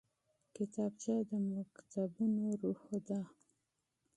کتابچه د مکتبونو روح ده